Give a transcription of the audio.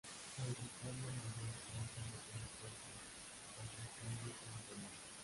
El retablo mayor consta de tres cuerpos, con tres calles y un remate.